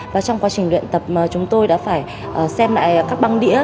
và trong quá trình luyện tập chúng tôi đã phải xem lại các băng đĩa